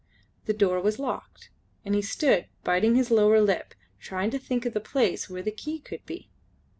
The door was locked, and he stood biting his lower lip, trying to think of the place where the key could be.